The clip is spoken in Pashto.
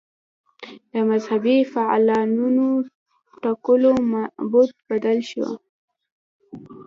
د مذهبي فعالانو ټکولو میتود بدل شو